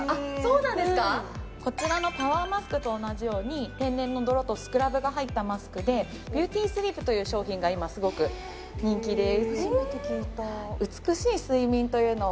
うんこちらのパワーマスクと同じように天然の泥とスクラブが入ったマスクで「ビューティスリープ」という商品が今すごく人気です